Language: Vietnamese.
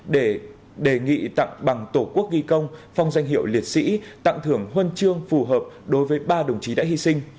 để đề nghị tặng bằng tổ quốc ghi công phong danh hiệu liệt sĩ tặng thưởng huân chương phù hợp đối với ba đồng chí đã hy sinh